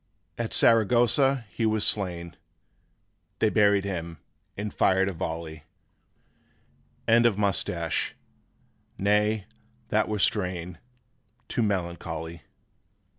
') At Saragossa he was slain; They buried him, and fired a volley: End of Moustache. Nay, that were strain Too melancholy.